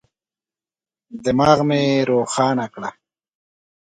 دماغ مي روښانه کړه.